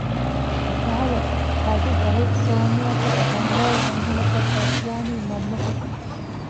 އެކަހަލަ ތަދު ބަހެއް ސޯމްޔާ ފަދަ ބަންގާޅު އަންހެނަކަށް ދަސްވާނީ މަންމަ ފުށުން